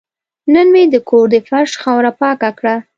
نن مې د کور د فرش خاوره پاکه کړه.